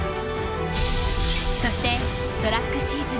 そしてトラックシーズン